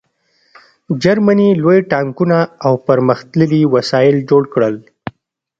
جرمني لوی ټانکونه او پرمختللي وسایل جوړ کړل